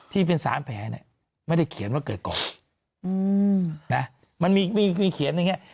ที่เป็น๓แผลเนี่ยไม่ได้เขียนว่าเกิดก่อนมันมีมีเขียนอย่างเงี้